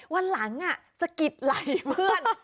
วันหลังสะกิดไหล่เพื่อน